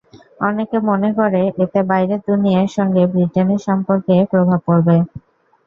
অনেকে মনে করে এতে বাইরের দুনিয়ার সঙ্গে ব্রিটেনের সম্পর্কে প্রভাব পড়বে।